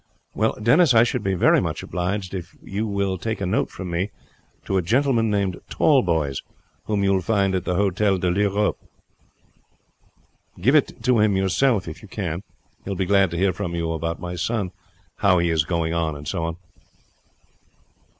"Well, Denis, I should be very much obliged if you will take a note from me to a gentleman named Tallboys, whom you will find at the Hotel de L'Europe. Give it to him yourself if you can. He will be glad to hear from you about my son, how he is going on and so on."